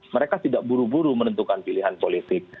mereka tidak buru buru menentukan pilihan politik